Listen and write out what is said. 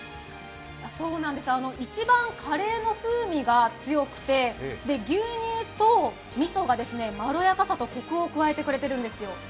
一番カレーの風味が強くて牛乳とみそがまろやかさとこくを加えてくれているんですよ。